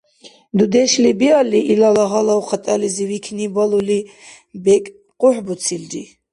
Дудешли биалли, илала гьалав хатӀализи викни балули, бекӀ къухӀбуцилри.